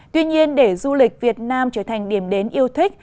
tuy nhiên để du lịch việt nam trở thành điểm đến yêu thích